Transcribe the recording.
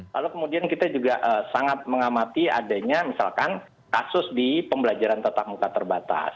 lalu kemudian kita juga sangat mengamati adanya misalkan kasus di pembelajaran tetap muka terbatas